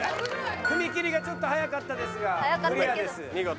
踏み切りがちょっと早かったですがクリアです。